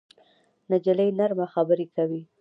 نجلۍ نرمه خبرې کوي.